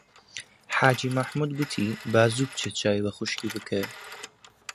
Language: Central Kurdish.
حاجی مەحموود گوتی: با زوو بچێ چاوی بە خوشکی بکەوێ